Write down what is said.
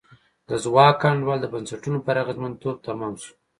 د ځواک انډول د بنسټونو پر اغېزمنتوب تمام شو.